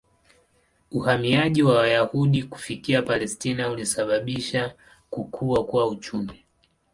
Uhamiaji wa Wayahudi kufika Palestina ulisababisha kukua kwa uchumi.